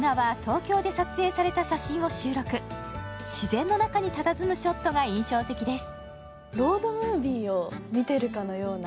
自然の中にたたずむショットが印象的です。